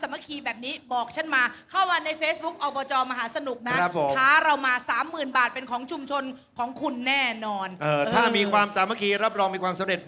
และขอขอบคุณวัดแห่งนี้คือวัดไทยขิงครับ